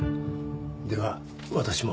では私も。